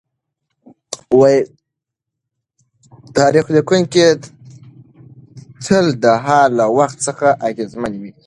تاریخ لیکونکی تل د حال له وخت څخه اغېزمن وي.